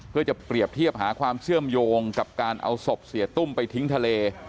เพื่อจะเปรียบเทียบหาความเชื่อมโยงกับการเอาศพเสียตุ้มไปทิ้งทะเล